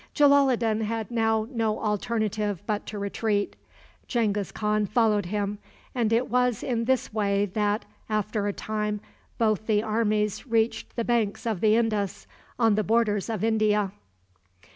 Jalaloddin had now no alternative but to retreat. Genghis Khan followed him, and it was in this way that, after a time, both the armies reached the banks of the Indus, on the borders of India.